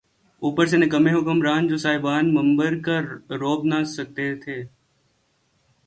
اوپر سے نکمّے حکمران‘ جو صاحبان منبر کا رعب نہ سہہ سکتے۔